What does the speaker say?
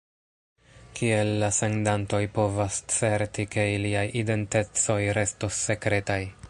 Kiel la sendantoj povas certi, ke iliaj identecoj restos sekretaj?